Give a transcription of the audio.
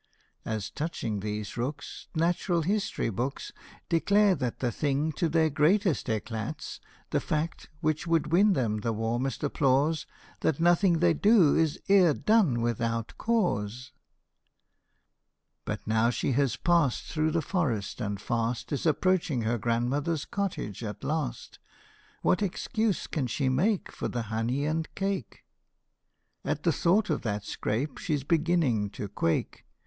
[As touching these rooks, Natural History books Declare that the thing to their greatest eclat 's The fact which should win them the warmest applause That nothing they do is e'er done without caws.] But now she has passed Through the forest, and fast Is approaching her grandmother's cottage at last. What excuse can she make For the honey and cake ? At the thought of that scrape she's beginning to quake.